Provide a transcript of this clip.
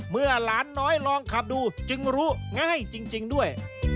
เมื่อหลานน้อยลองขับดูจึงรู้ง่ายจริงด้วย